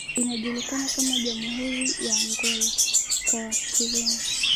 inajulikana kama Jamhuri ya Angola kwa Kireno